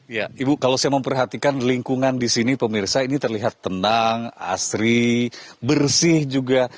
iya ibu kalau saya memperhatikan lingkungan di sini pemirsa ini terlihat tenang asri bersih juga